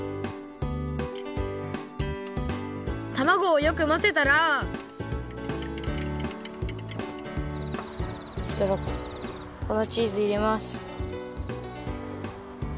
たまごをよくまぜたらそしたらこなチーズいれます。